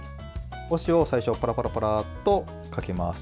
こしょうを最初パラパラパラッとかけます。